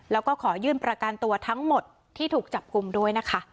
แล้วก็ขอยื่นประกันตัวทั้งหมดที่ถูกจับกลุ่มด้วยนะคะ